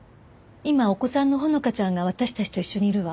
今お子さんの穂花ちゃんが私たちと一緒にいるわ。